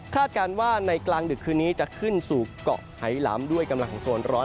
การว่าในกลางดึกคืนนี้จะขึ้นสู่เกาะไหลำด้วยกำลังของโซนร้อน